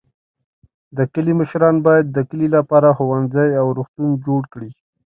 د کلي مشران باید د کلي لپاره ښوونځی او روغتون جوړ کړي.